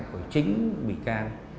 của chính bị can